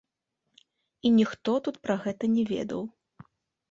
І ніхто тут пра гэта не ведаў.